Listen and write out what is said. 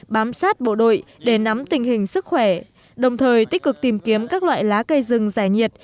bám sát bộ đội để nắm tình hình sức khỏe đồng thời tích cực tìm kiếm các loại lá cây rừng giải nhiệt